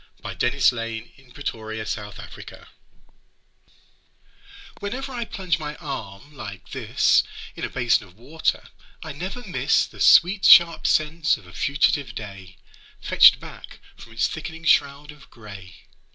Thomas Hardy Under the Waterfall 'WHENEVER I plunge my arm, like this, In a basin of water, I never miss The sweet sharp sense of a fugitive day Fetched back from its thickening shroud of gray.